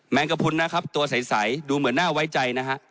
งกระพุนนะครับตัวใสดูเหมือนน่าไว้ใจนะฮะ